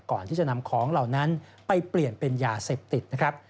ก่อนที่จะนำของเหล่านั้นไปเปลี่ยนเป็นยาเสพติดนะครับ